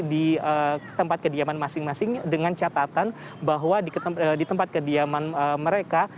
di tempat kediaman masing masing dengan catatan bahwa di tempat kediaman mereka